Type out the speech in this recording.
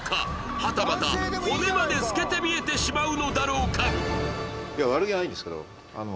はたまた骨まで透けて見えてしまうのだろうか？